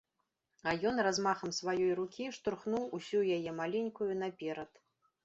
А ён размахам сваёй рукі штурхнуў усю яе, маленькую, наперад.